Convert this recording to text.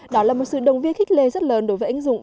đó là một sự đồng viên khích lệ rất lớn đối với anh dũng